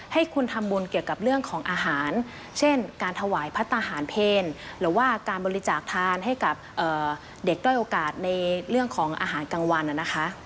ให้คุณทำบุญเกี่ยวกับเรื่องของอาหารเช่นการถวายพระทหารเพลหรือว่าการบริจาคทานให้กับเด็กด้อยโอกาสในเรื่องของอาหารกลางวันนะคะ